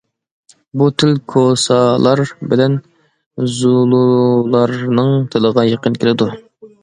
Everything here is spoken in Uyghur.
بۇ تىل كوسالار بىلەن زۇلۇلارنىڭ تىلىغا يېقىن كېلىدۇ.